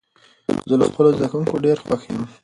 زه له خپلو زده کوونکو ډېر خوښ يم.